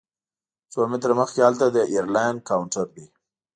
څو متره مخکې هلته د ایرلاین کاونټر دی.